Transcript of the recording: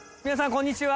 こんにちは！